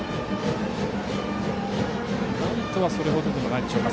ライトはそれ程でもないでしょうか。